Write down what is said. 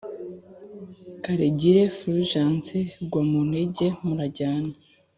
karegire fulgence ngwa muntege murajyana !